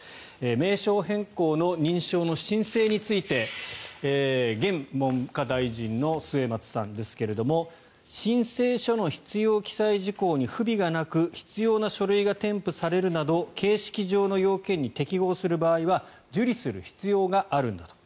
名称変更の認証の申請について現文科大臣の末松さんですが申請書の必要記載事項に不備がなく必要な書類が添付されるなど形式上の要件に適合する場合には受理する必要があるんだと。